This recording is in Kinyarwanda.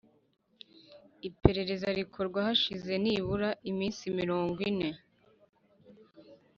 Iperereza rikorwa hashize nibura iminsi mirongo ine